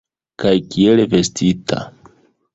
Kaj kiel vestita!